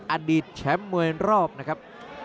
อดีตแชมป์มวยรอบนะครับ